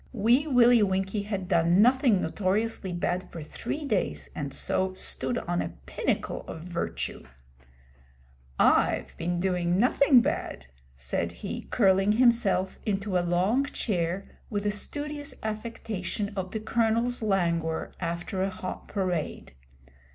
Wee Willie Winkie had done nothing notoriously bad for three days, and so stood on a pinnacle of virtue. 'I've been doing nothing bad,' said he, curling himself into a long chair with a studious affectation of the Colonel's languor after a hot parade.